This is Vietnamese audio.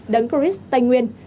đấng chris tây nguyên